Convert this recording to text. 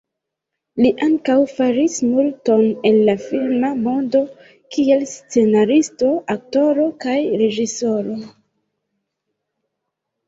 Li ankaŭ faris multon en la filma mondo kiel scenaristo, aktoro kaj reĝisoro.